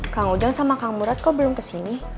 kang ujang sama kang murad kok belum kesini